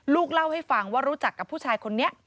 เล่าให้ฟังว่ารู้จักกับผู้ชายคนนี้